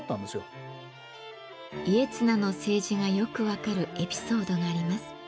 家綱の政治がよく分かるエピソードがあります。